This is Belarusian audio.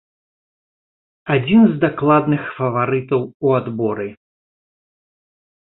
Адзін з дакладных фаварытаў у адборы.